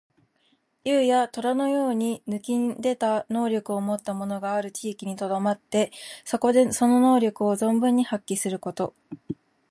竜や、とらのように抜きんでた能力をもった者がある地域にとどまって、そこでその能力を存分に発揮すること。